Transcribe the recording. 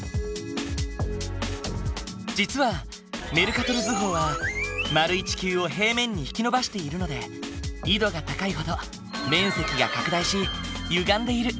実はメルカトル図法は丸い地球を平面に引き伸ばしているので緯度が高いほど面積が拡大しゆがんでいる。